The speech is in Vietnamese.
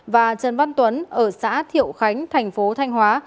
và trần văn tuấn ở xã thiệu khánh thành phố thanh hóa